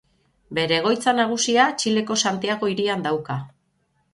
Bere egoitza nagusia Txileko Santiago hirian dauka.